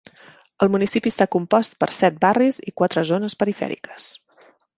El municipi està compost per set barris i quatre zones perifèriques.